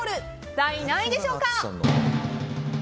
第何位でしょうか。